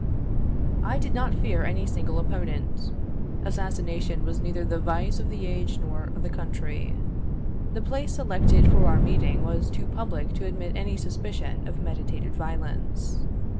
I did not fear any single opponent; assassination was neither the vice of the age nor of the country; the place selected for our meeting was too public to admit any suspicion of meditated violence.